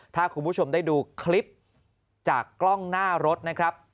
ถ้าคุณผู้ชมได้ดูคลิปจากกล้องหน้ารถนะครับ